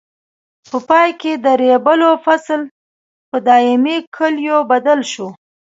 په پای کې د ریبلو فصل په دایمي کلیو بدل شو.